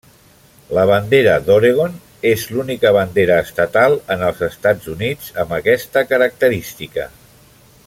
La bandera d'Oregon és l'única bandera estatal en els Estats Units amb aquesta característica.